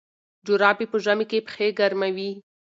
جرابې په ژمي کې پښې ګرموي.